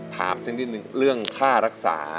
ถามเรื่องความค่ารักษา